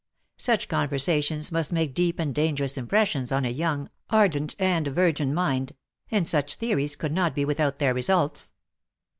Such conversations must make deep and dangerous impressions on a young, ardent, and virgin mind, and such theories could not be without their results.